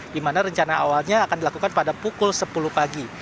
di mana rencana awalnya akan dilakukan pada pukul sepuluh pagi